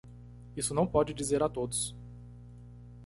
Isso não pode dizer a todos